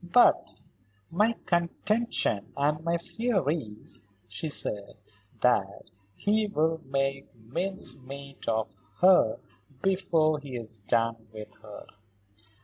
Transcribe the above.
"But my contention and my fear is," she said, "that he will make mincemeat of her before he is done with her."